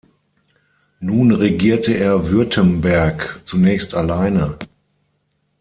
Nun regierte er Württemberg zunächst alleine.